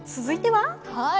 はい。